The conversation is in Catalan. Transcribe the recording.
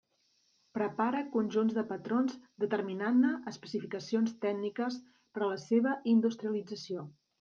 Prepara conjunts de patrons determinant-ne especificacions tècniques per a la seva industrialització.